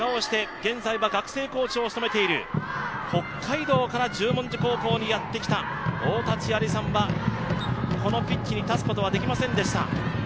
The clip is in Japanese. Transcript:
現在は学生コーチを務めている、北海道から十文字高校にやってきた太田千満さんはこのピッチに立つことはできませんでした。